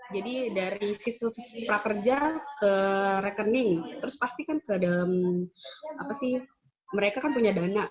dari sisi prakerja ke rekening terus pasti kan ke dalam apa sih mereka kan punya dana